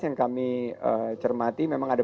yang kami cermati memang ada